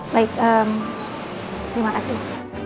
baik terima kasih